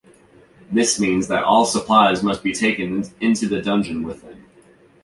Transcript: This means that all supplies must be taken into the dungeon with them.